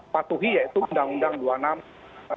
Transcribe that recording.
patuhi yaitu undang undang dua puluh enam